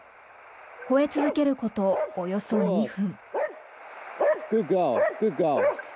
ほえ続けること、およそ２分。